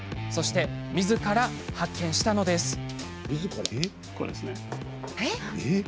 そして、自分で発見したのです。